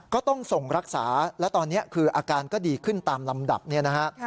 ก็ต้องส่งรักษาและตอนนี้คืออาการก็ดีขึ้นตามลำดับเนี่ยนะฮะ